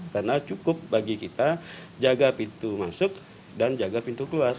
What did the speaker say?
karena cukup bagi kita jaga pintu masuk dan jaga pintu keluar